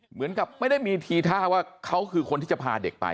เหมือนกับไม่ได้มีทีท่าว่าเขาคือคนที่จะพาเด็กไป